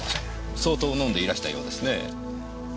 相当飲んでいらしたようですねぇ。